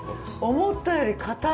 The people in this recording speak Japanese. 思ったより硬い！